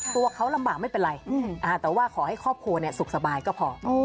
ตัวเขาลำบากไม่เป็นไรแต่ว่าขอให้ครอบครัวสุขสบายก็พอ